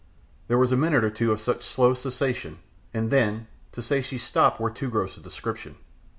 There was a minute or two of such slow cessation, and then to say she stopped were too gross a description.